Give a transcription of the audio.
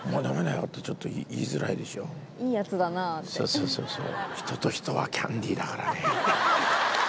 そうそうそうそう。